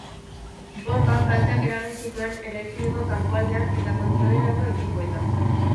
Bonbak kalteak eragin zituen eraikineko kanpoaldean eta kontrolerako ekipoetan.